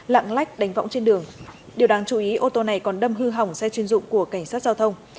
lãch đánh võng trên đường điều đáng chú ý ô tô này còn đâm hư hỏng xe chuyên dụng của cảnh sát giao thông